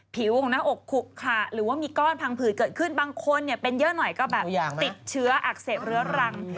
ผิวของหน้าอกขุขระหรือว่ามีก้อนพังผืดเกิดขึ้นบางคนเป็นเยอะหน่อยก็แบบติดเชื้ออักเสบเรื้อรัง